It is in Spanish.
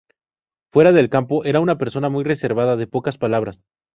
Fuera del campo era una persona muy reservada, de pocas palabras.